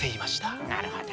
なるほど。